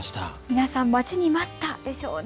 皆さん待ちに待ったでしょうね。